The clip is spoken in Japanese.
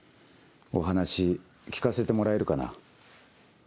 お話聞かせてもらえるかな？